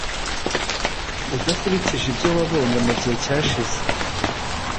udakurikije ibyo wabonye mu gihe cyashize